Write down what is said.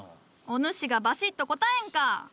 お主がバシッと答えんか！